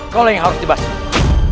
kau yang harus dibesari